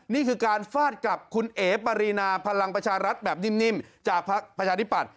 นี่คือการฟาดกลับคุณเอ๋ปารีนาพลังประชารัฐแบบนิ่มจากประชาธิปัตย